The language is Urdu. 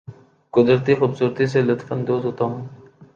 قدرتی خوبصورتی سے لطف اندوز ہوتا ہوں